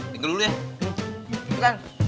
tinggal dulu ya